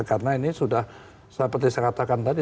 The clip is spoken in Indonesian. karena ini sudah seperti saya katakan tadi